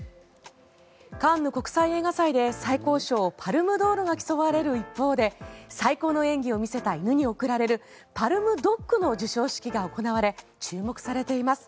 カンヌ国際映画祭で最高賞パルム・ドールが競われる一方で最高の演技を見せた犬に贈られるパルム・ドッグの授賞式が行われ注目されています。